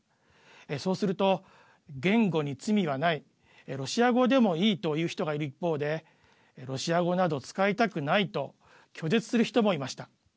そうすると、言語に罪はないロシア語でもいいと言う人がいる一方でロシア語など使いたくないと拒絶する人もいました。